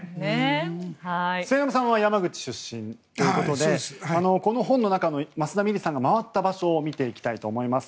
末延さんは山口出身ということでこの本の中の益田ミリさんが回った場所を見ていきたいと思います。